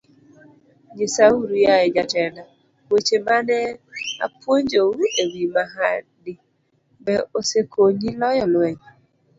Nyisauru, yaye jatenda, weche ma ne apuonjou e wi mahadi, be osekonyi loyo lweny?